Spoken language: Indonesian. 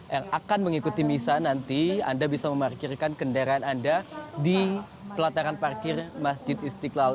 yang akan mengikuti misa nanti anda bisa memarkirkan kendaraan anda di pelataran parkir masjid istiqlal